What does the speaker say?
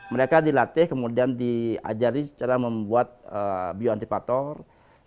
mereka dilatih kemudian diajari cara membuat bioantipator